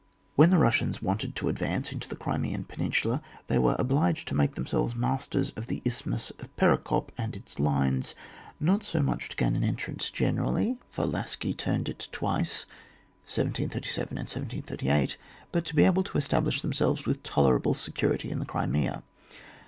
When the Bussians wanted to advance into the Crimean peninsula, they were obliged to make themselves masters of the isthmus of Perekop and its lines, not so much to gain an entrance generally — for Lascy turned it twice (1737 and 1738) — but to be able to establish themselves with tolerable security in the (Mmea.